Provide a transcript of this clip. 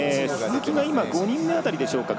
鈴木が５人目辺りでしょうか。